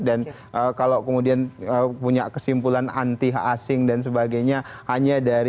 dan kalau kemudian punya kesimpulan anti asing dan sebagainya hanya dari